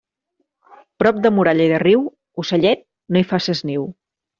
Prop de muralla i de riu, ocellet, no hi faces niu.